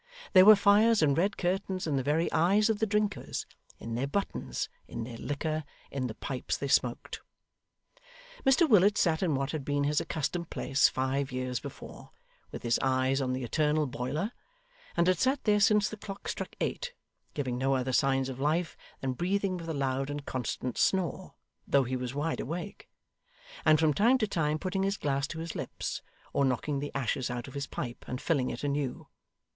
There were fires and red curtains in the very eyes of the drinkers, in their buttons, in their liquor, in the pipes they smoked. Mr Willet sat in what had been his accustomed place five years before, with his eyes on the eternal boiler; and had sat there since the clock struck eight, giving no other signs of life than breathing with a loud and constant snore (though he was wide awake), and from time to time putting his glass to his lips, or knocking the ashes out of his pipe, and filling it anew.